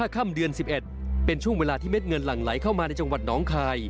ค่ำเดือน๑๑เป็นช่วงเวลาที่เม็ดเงินหลั่งไหลเข้ามาในจังหวัดน้องคาย